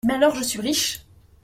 Mais alors, je suis riche !